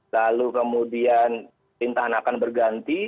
lalu kemudian perintahan akan berganti